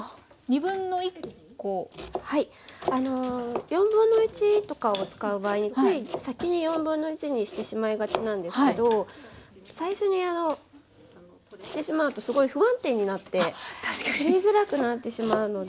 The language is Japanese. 1/4とかを使う場合つい先に1/4にしてしまいがちなんですけど最初にしてしまうとすごい不安定になって切りづらくなってしまうので。